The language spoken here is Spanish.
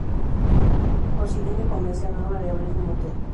Considine convence a Norma de abrir un motel.